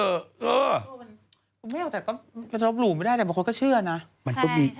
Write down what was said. เออไม่เอาแต่ก็มันรับหรูไม่ได้แต่บางคนก็เชื่อนะมันก็มี